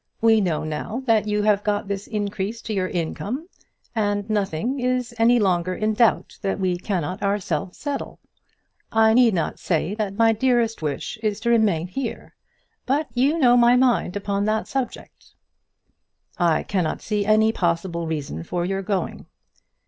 We know now that you have got this increase to your income, and nothing is any longer in doubt that we cannot ourselves settle. I need not say that my dearest wish is to remain here, but you know my mind upon that subject." "I cannot see any possible reason for your going."